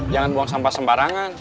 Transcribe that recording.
jangan buang sampah sembarangan